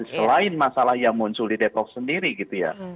selain masalah yang muncul di depok sendiri gitu ya